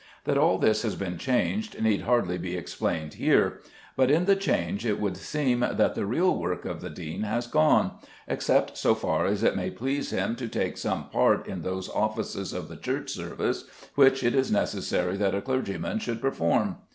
That all this has been changed need hardly be explained here; but in the change it would seem that the real work of the dean has gone, except so far as it may please him to take some part in those offices of the church service which it is necessary that a clergyman should perform.